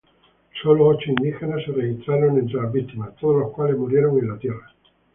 Solo ocho indígenas se registraron entre las víctimas, todas las cuales murieron en tierra.